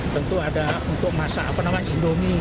tentu ada untuk masa apa namanya indomie